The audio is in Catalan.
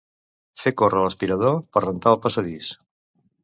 Fer córrer l'aspirador per rentar el passadís.